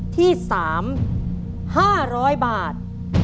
ที่๓๕๐๐บาท